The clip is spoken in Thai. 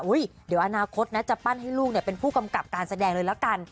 เดี๋ยวอนาคตนะจะปั้นให้ลูกเป็นผู้กำกับการแสดงเลยละกัน